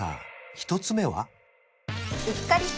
１つ目は？